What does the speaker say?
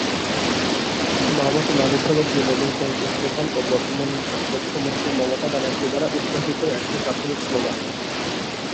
মা-মাটি-মানুষ হল তৃণমূল কংগ্রেস প্রধান ও বর্তমান মুখ্যমন্ত্রী মমতা ব্যানার্জী দ্বারা উদ্ভাবিত একটি প্রাথমিক স্লোগান।